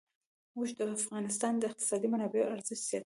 اوښ د افغانستان د اقتصادي منابعو ارزښت زیاتوي.